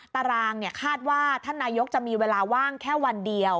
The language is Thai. ตารางคาดว่าท่านนายกจะมีเวลาว่างแค่วันเดียว